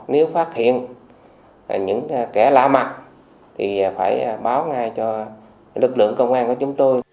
nếu phát hiện những kẻ lạ mặt thì phải báo ngay cho lực lượng công an của chúng tôi